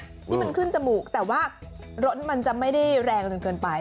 นี่มันขึ้นจมูกแต่ว่ารถมันจะไม่ได้แรงจนเกินไป